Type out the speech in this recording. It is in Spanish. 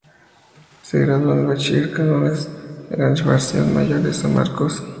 Se graduó de bachiller en Cánones en la Universidad Mayor de San Marcos.